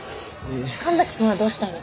神崎君はどうしたいの？